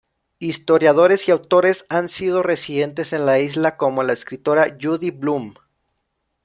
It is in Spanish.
Historiadores y autores han sido residentes en la isla como la escritora Judy Blume.